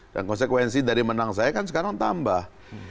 dan konsekuensi dari menang saya kan sekarang tambah